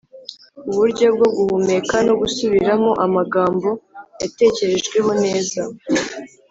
uburyo bwo guhumeka no gusubiramo amagambo yatekerejweho neza